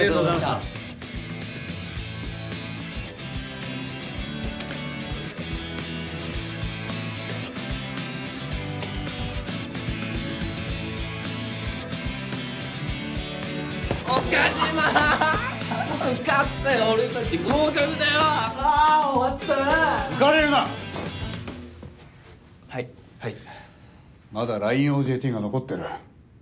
まだラインＯＪＴが残ってる。